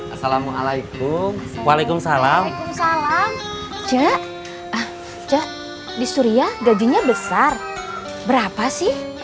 assalamualaikum waalaikumsalam waalaikumsalam cek ah cek di surya gajinya besar berapa sih